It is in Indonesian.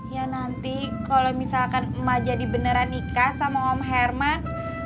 ya nanti kalau misalkan emak jadi beneran nikah sama om herman